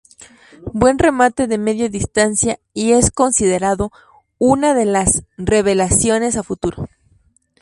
Buen remate de media distancia y es considerado una de las revelaciones a futuro.